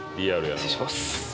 失礼します